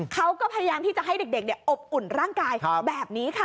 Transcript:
เขาก็พยายามที่จะให้เด็กอบอุ่นร่างกายแบบนี้ค่ะ